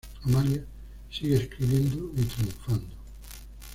Amalia sigue escribiendo y triunfando.